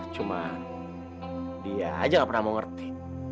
cuma dia aja gak pernah mau ngerti